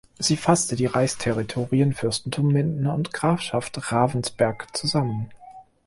Sie fasste die Reichsterritorien Fürstentum Minden und Grafschaft Ravensberg zusammen.